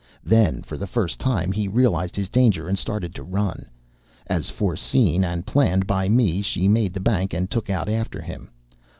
Then, for the first time, he realized his danger, and started to run. As foreseen and planned by me, she made the bank and took out after him.